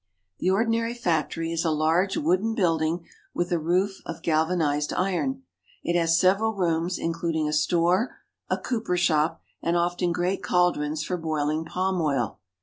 The ordinary factory is a large, wooden building with a roof of galvanized iron. It has several rooms, including a store, a cooper shop, and often great caldrons for boil ing palm oil.